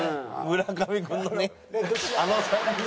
村上君のね。